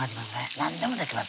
何でもできます